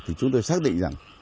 thì chúng tôi xác định